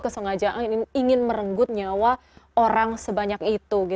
kesengajaan ingin merenggut nyawa orang sebanyak itu